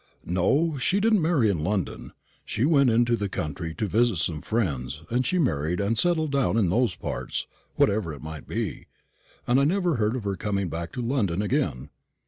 "No. She didn't marry in London. She went into the country to visit some friends, and she married and settled down in those parts wherever it might be and I never heard of her coming back to London again.